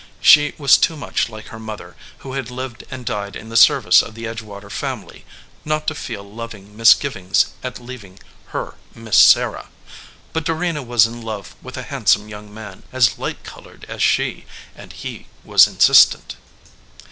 She was too much like her mother, who had lived and died in the service of the Edgewater family, not to feel loving misgivings at leaving her "Miss Sarah." But Dorena was in love with a hand some young man, as light colored as she, and he was insistent.